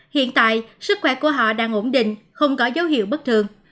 hiện tại sức khỏe của họ đang ổn định không có dấu hiệu bất thường